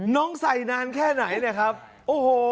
น้องใส่นานแค่ไหนในครับโอโห่